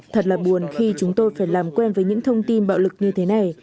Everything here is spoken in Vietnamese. thật là buồn khi chúng tôi phải làm quen với những thông tin bạo lực như thế này